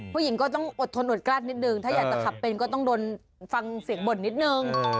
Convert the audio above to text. ผู้หญิงก็ต้องอดทนอดกลั้นนิดนึงถ้าอยากจะขับเป็นก็ต้องโดนฟังเสียงบ่นนิดนึง